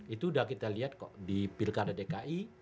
itu udah kita lihat kok di pilkada dki